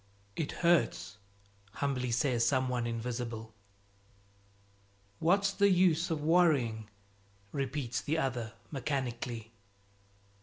"It hurts!" humbly says some one invisible. "What's the use of worrying?" repeats the other mechanically.